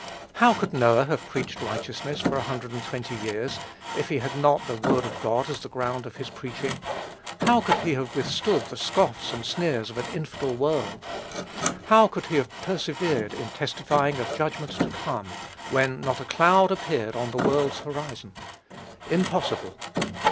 How could Noah have "preached righteousness" for 120 years if he had not had the word of God as the ground of his preaching? How could he have withstood the scoffs and sneers of an infidel world? How could he have persevered in testifying of "judgment to come," when not a cloud appeared on the world's horizon? Impossible.